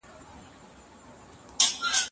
د څيړني چوکاټ باید روښانه وي.